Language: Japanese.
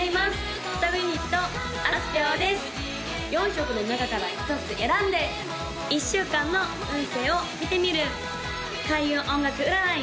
４色の中から１つ選んで１週間の運勢を見てみる開運音楽占い